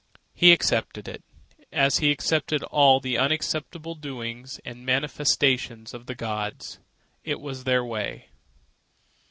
He accepted it as he accepted all the unaccountable doings and manifestations of the gods. It was their way.